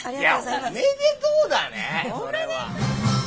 いやおめでとうだねこれは。